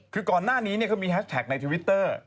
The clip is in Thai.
คือก่อนหน้านี้เขามีแฮชแท็กในทวิตเตอร์